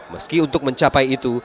meski untuk mencapai itu